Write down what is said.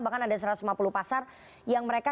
bahkan ada satu ratus lima puluh pasar yang mereka